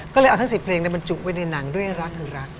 ก็เลยเอาทั้ง๑๐เพลงบรรจุไว้ในหนังด้วยรักหรือรัก